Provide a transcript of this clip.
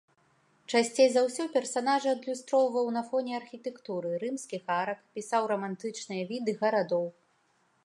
Часцей за ўсё персанажы адлюстроўваў на фоне архітэктуры, рымскіх арак, пісаў рамантычныя віды гарадоў.